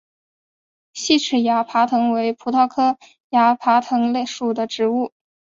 细齿崖爬藤为葡萄科崖爬藤属的植物。